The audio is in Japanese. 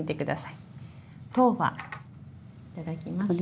いただきます。